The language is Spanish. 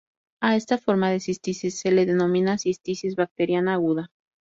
A esta forma de cistitis se le denomina cistitis bacteriana aguda.